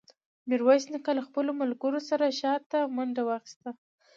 ميرويس نيکه له خپلو ملګرو سره شاته منډه واخيسته.